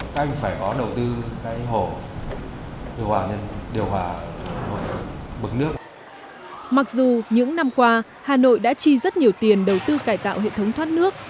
mặc dù những năm qua hà nội đã chi rất nhiều tiền đầu tư cải tạo hệ thống thoát nước